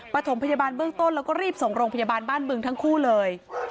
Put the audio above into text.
ประถมพยาบาลเบื้องต้นแล้วก็รีบส่งโรงพยาบาลบ้านบึงทั้งคู่เลย